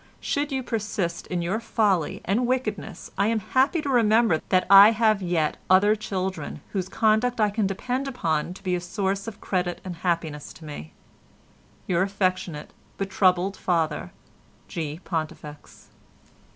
Should you persist in your folly and wickedness, I am happy to remember that I have yet other children whose conduct I can depend upon to be a source of credit and happiness to me.—Your affectionate but troubled father, G. PONTIFEX."